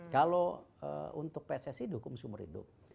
kalau untuk pssc itu hukum sumber hidup